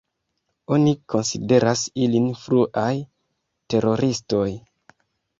Oni konsideras ilin fruaj teroristoj.